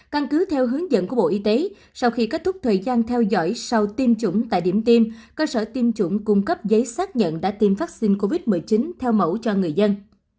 căn cứ theo hướng dẫn của bộ y tế sau khi kết thúc thời gian theo dõi sau tiêm chủng tại điểm tiêm cơ sở tiêm chủng cung cấp giấy xác nhận đã tiêm vaccine covid một mươi chín theo mẫu cho người dân